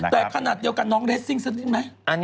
แต่ขนาดเดียวกันน้องเรสซิ่งสักนิดไหม